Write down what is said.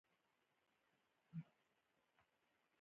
تعلیق خط؛ د خط یو ډول دﺉ.